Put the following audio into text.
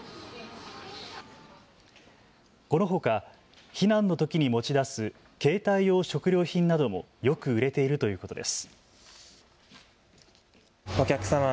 このほか避難のときに持ち出す携帯用食料品などもよく売れているということです。